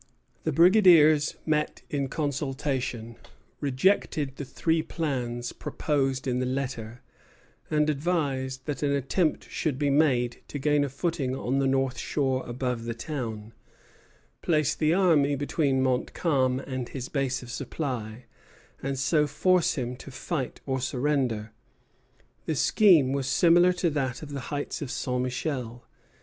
The brigadiers met in consultation, rejected the three plans proposed in the letter, and advised that an attempt should be made to gain a footing on the north shore above the town, place the army between Montcalm and his base of supply, and so force him to fight or surrender. The scheme was similar to that of the heights of St. Michel.